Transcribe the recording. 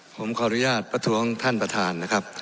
ผมขออนุญาตประท้วงท่านประธานนะครับ